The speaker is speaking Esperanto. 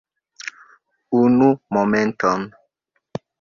Unu momenton